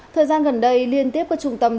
thời gian gần đây liên tiếp của trung tâm đảng